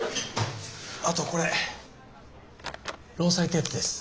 あとこれ労災手当です。